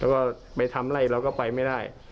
แล้วก็ไปทำไล่เราก็ไปไม่ได้